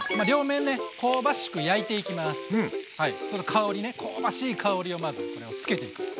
香りね香ばしい香りをまずこれをつけていく。